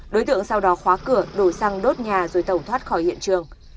đối tượng sau đó khóa cửa đổi xăng đốt nhà rồi tẩu thoát khỏi hiện trường